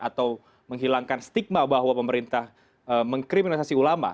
atau menghilangkan stigma bahwa pemerintah mengkriminalisasi ulama